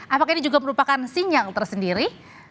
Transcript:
apakah ini juga merupakan sinyal tersendiri